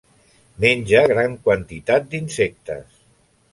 Menja gran quantitat d'insectes.